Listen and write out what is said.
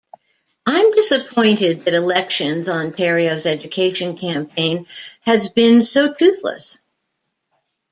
I'm disappointed that Elections Ontario's education campaign has been so toothless.